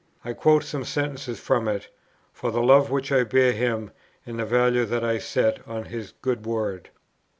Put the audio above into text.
I quote some sentences from it, for the love which I bear him and the value that I set on his good word.